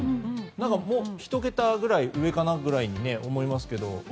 もう１桁ぐらい上かなと思いますけど。